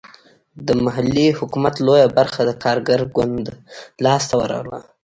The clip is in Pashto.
د محلي حکومت لویه برخه د کارګر ګوند لاسته ورغله.